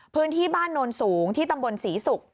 พื้นที่บ้านโนนสูงที่ตำบลศรีศุกร์